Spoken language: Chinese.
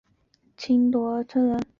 河北省丰润县南青坨村人。